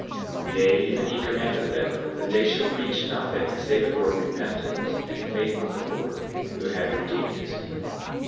18:20 Yea, even he commanded them that they should preach nothing save it were repentance and faith on the Lord, who had redeemed his people.